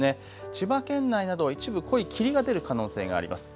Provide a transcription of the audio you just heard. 千葉県内など一部濃い霧が出る可能性があります。